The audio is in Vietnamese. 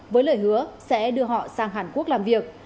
với lời hứa sẽ đưa họ sang hàn quốc làm việc